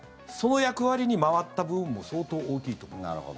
その役割に回った部分も相当大きいと思います。